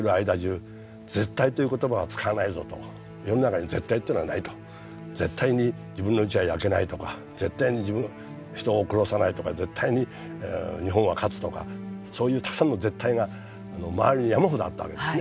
今でも覚えてるのは俺は「絶対に自分のうちは焼けない」とか「絶対に人を殺さない」とか「絶対に日本は勝つ」とかそういうたくさんの「絶対」が周りに山ほどあったわけですね